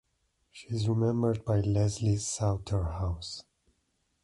She is remembered by Lesley Souter House.